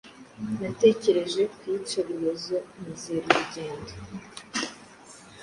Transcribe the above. Natekereje ku iyicarubozontizera urugendo